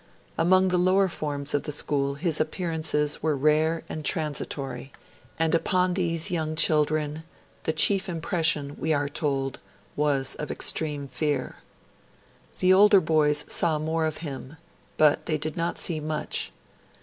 Among the lower forms of the school his appearances were rare and transitory, and upon these young children 'the chief impression', we are told, 'was of extreme fear'. The older boys saw more of him, but they did not see much.